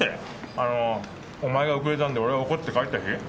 あのお前が遅れたんで俺が怒って帰った日？